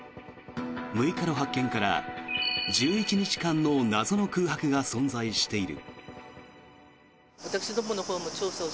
６日の発見から１１日間の謎の空白が存在している。